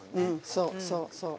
そうそうそう。